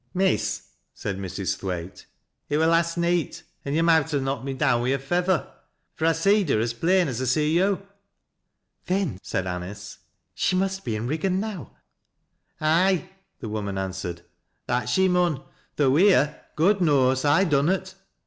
" Miss," said Mrs. Thwaite, ' it wur laat neet, an' yos nr.owt ha' knocked me down wi' a feather, fur I seed hei as plain as I see yo'." " Then," said Anice, " she must be in Eiggan now." " Ay," the woman answered, " that she mun, though wheer, God knows, I dunnot.